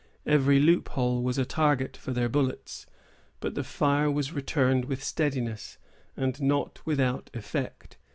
Every loophole was a target for their bullets; but the fire was returned with steadiness, and not without effect.